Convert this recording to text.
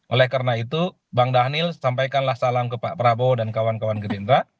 oleh karena itu bang dhanil sampaikanlah salam ke pak prabowo dan kawan kawan gerindra